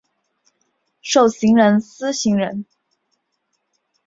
授行人司行人。